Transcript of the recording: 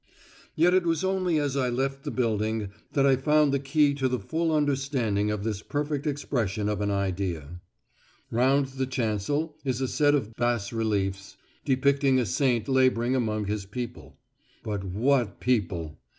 Yet it was only as I left the building that I found the key to the full understanding of this perfect expression of an idea. Round the chancel is a set of bas reliefs depicting a saint labouring among his people. But what people!